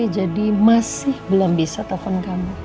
jadi masih belum bisa telepon kamu